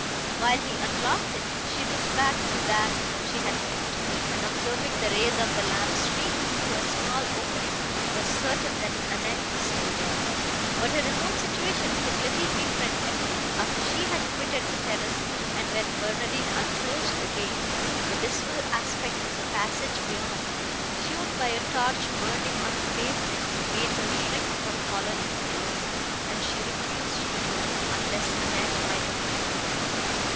While he unlocked it, she looked back to that she had left, and, observing the rays of the lamp stream through a small opening, was certain, that Annette was still there. But her remote situation could little befriend Emily, after she had quitted the terrace; and, when Barnardine unclosed the gate, the dismal aspect of the passage beyond, shown by a torch burning on the pavement, made her shrink from following him alone, and she refused to go, unless Annette might accompany her.